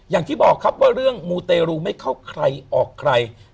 อย่างที่บอกครับว่าเรื่องมูเตรูไม่เข้าใครออกใคร